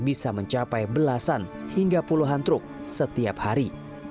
bisa mencapai belasan hingga puluhan truk setiap hari